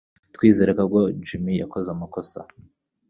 Twizeraga ko Jim yakoze amakosa.